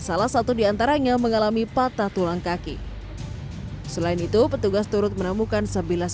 salah satu diantaranya mengalami patah tulang kaki selain itu petugas turut menemukan sebilas